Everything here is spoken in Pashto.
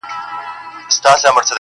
پرېږده په نغمو کي د بېړۍ د ډوبېدو کیسه،